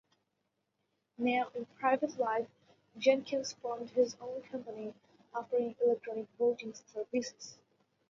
Now in private life, Jenkins formed his own company offering electronic voting services.